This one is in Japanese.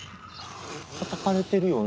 たたかれてるよね？